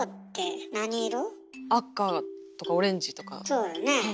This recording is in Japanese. そうよね。